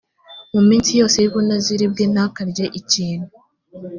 mu minsi yose y ubunaziri bwe ntakarye ikintu